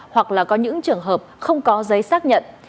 hoặc là có những trường hợp không có giấy xác nhận